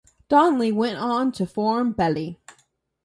Donelly then went on to form Belly.